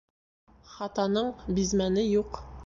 Хатаның бизмәне юҡ.